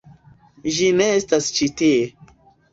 Ĝi ne estas ĉi tie